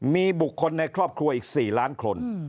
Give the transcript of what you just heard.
มีบุคคลในครอบครัวอีก๔ล้านคน